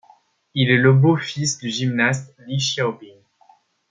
Il est le beau-fils du gymnaste Li Xiaoping.